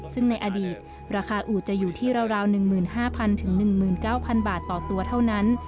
ซึ่งในอดีตราคาอูดจะอยู่ที่ราว๑๕๐๐๑๙๐๐บาทต่อตัวเท่านั้น